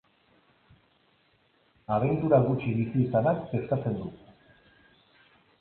Abentura gutxi bizi izanak kezkatzen du.